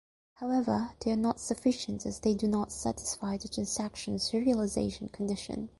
However, they are not sufficient as they do not satisfy the Transaction Serialization condition.